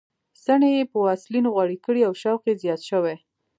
څڼې یې په واسلینو غوړې کړې او شوق یې زیات شوی.